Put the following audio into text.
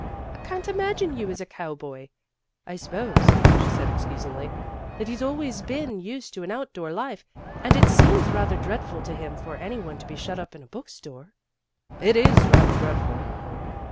"I can't imagine you as a cowboy. I suppose," she added excusingly, "that he's always been used to an out door life and it seems rather dreadful to him for any one to be shut up in a book store." "It is rather dreadful."